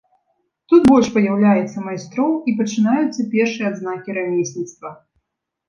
Тут больш паяўляецца майстроў і пачынаюцца першыя адзнакі рамесніцтва.